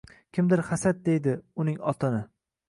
Kimdir “Hasad” deydi uning otini